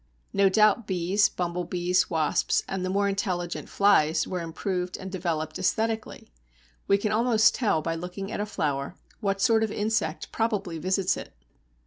No doubt bees, bumble bees, wasps, and the more intelligent flies were improved and developed æsthetically. We can almost tell by looking at a flower what sort of insect probably visits it.